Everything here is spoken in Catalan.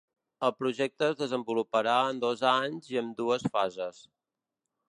El projecte es desenvoluparà en dos anys i amb dues fases.